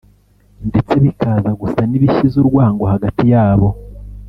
ndetse bikaza gusa n’ibishyize urwango hagati yabo